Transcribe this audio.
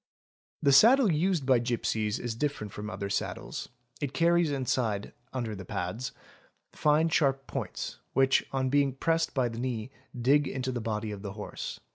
: The saddle used by gipsies is different from nile saddles; it carries inside (under the pads) fine sharp points, which, on being pressed by the knee, dig into the body of the horse.